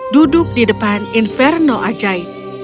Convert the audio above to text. duduk di depan inverno ajai